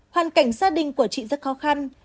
hoàn cảnh gia đình của chị rất khó khăn